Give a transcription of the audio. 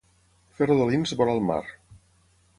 Fer rodolins vora el mar.